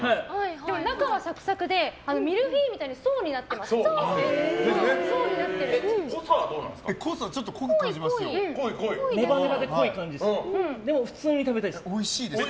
でも、中はサクサクでミルフィーユみたいに濃さはどうなんですか？